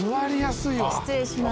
失礼します。